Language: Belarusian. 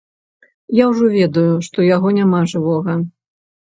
Я ўжо ведаю, што яго няма жывога.